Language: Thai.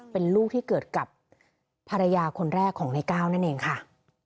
เป็นลูกที่เกิดกับภรรยาคนแรกของในก้าวนั่นเองค่ะ